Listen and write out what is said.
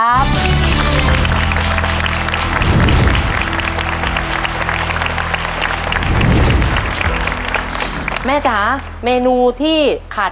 ตัวเลือกที่สี่ชัชวอนโมกศรีครับ